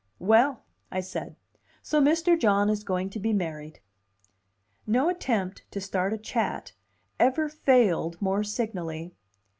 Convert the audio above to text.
"Well," I said, "and so Mr. John is going to be married." No attempt to start a chat ever failed more signally.